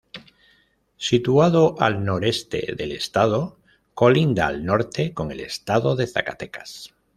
Situado al noreste del estado, colinda al norte con el Estado de Zacatecas.